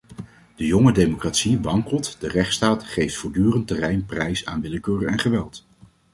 De jonge democratie wankelt, de rechtsstaat geeft voortdurend terrein prijs aan willekeur en geweld.